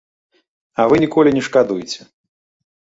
А вы ніколі не шкадуеце.